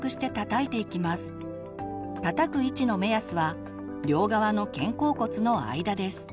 たたく位置の目安は両側の肩甲骨の間です。